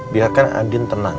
biarkan andin tenang